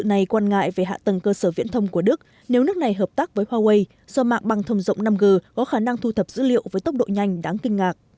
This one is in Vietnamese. có thể tham gia thông báo thương mại về hạ tầng cơ sở viễn thông của đức nếu nước này hợp tác với huawei do mạng bằng thông rộng năm g có khả năng thu thập dữ liệu với tốc độ nhanh đáng kinh ngạc